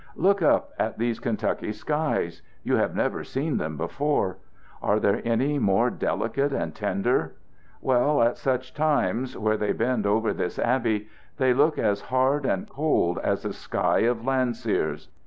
Look up at these Kentucky skies! You have never seen them before. Are there any more delicate and tender? Well, at such times, where they bend over this abbey, they look as hard and cold as a sky of Landseer's.